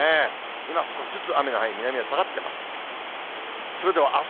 今、少しずつ雨の範囲、南へ下がってます。